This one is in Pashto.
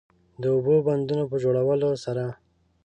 د اوبو د بندونو په جوړولو سره